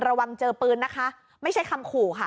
ระวังเจอปืนนะคะไม่ใช่คำขู่ค่ะ